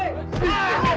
asal penggoda kamu